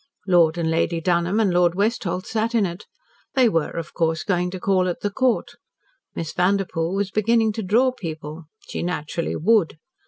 Lord and Lady Dunholm and Lord Westholt sat in it. They were, of course, going to call at the Court. Miss Vanderpoel was beginning to draw people. She naturally would.